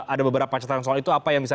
ada beberapa catatan soal itu apa yang bisa